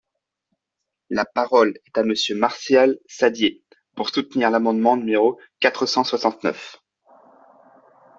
La parole est à Monsieur Martial Saddier, pour soutenir l’amendement numéro quatre cent soixante-neuf.